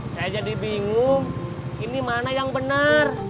saya jadi bingung ini mana yang benar